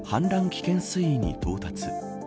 危険水位に到達。